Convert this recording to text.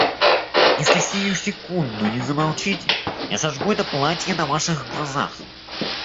Если сию секунду не замолчите, я сожгу это платье на Ваших глазах!